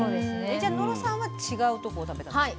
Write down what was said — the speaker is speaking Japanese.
じゃあ野呂さんは違うところを食べたんですか？